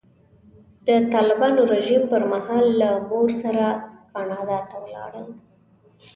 د طالبانو رژیم پر مهال له مور سره کاناډا ته ولاړل.